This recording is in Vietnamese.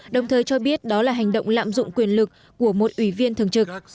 đồng thời cho biết đó là hành động lạm dụng quyền lực của một ủy viên thường trực